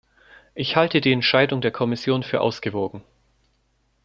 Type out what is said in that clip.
Ich halte die Entscheidung der Kommission für ausgewogen.